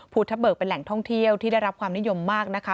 ทะเบิกเป็นแหล่งท่องเที่ยวที่ได้รับความนิยมมากนะคะ